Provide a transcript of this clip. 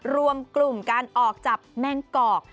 รวมกลุ่มการออกจับแมงกอก